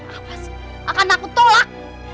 awas akan aku tolak